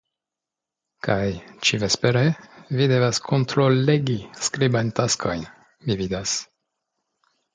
Kaj ĉi-vespere vi devas kontrollegi skribajn taskojn, mi vidas.